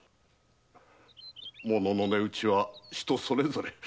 ものの値打ちは人それぞれ。